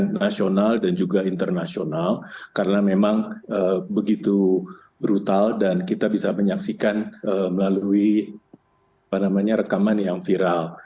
internasional dan juga internasional karena memang begitu brutal dan kita bisa menyaksikan melalui rekaman yang viral